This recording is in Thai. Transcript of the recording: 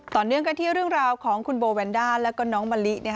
ต่อเนื่องกันที่เรื่องราวของคุณโบแวนด้าแล้วก็น้องมะลิ